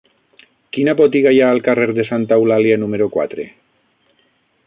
Quina botiga hi ha al carrer de Santa Eulàlia número quatre?